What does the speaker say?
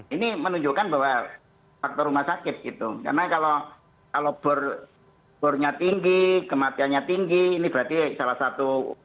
ini menunjukkan bahwa faktor rumah sakit gitu karena kalau bor bornya tinggi kematiannya tinggi ini berarti salah satu